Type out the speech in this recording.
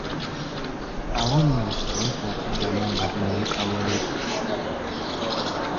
Awo nno nsobole okuddamu nga ndi kawerette.